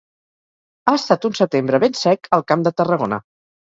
Ha estat un setembre ben sec al Camp de Tarragona.